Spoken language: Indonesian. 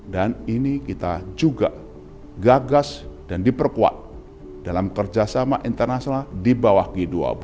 dan ini kita juga gagas dan diperkuat dalam kerjasama internasional di bawah g dua puluh